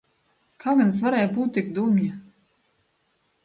Kā gan es varēju būt tik dumja?